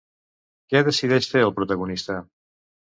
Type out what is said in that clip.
Què decideix fer el protagonista?